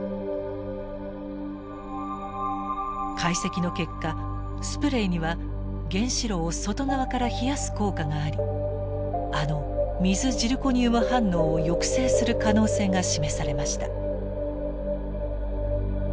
解析の結果スプレイには原子炉を外側から冷やす効果がありあの水ジルコニウム反応を抑制する可能性が示されました。